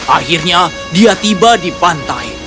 akhirnya dia tiba di pantai